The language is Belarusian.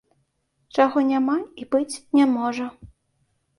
Чаго няма і быць не можа.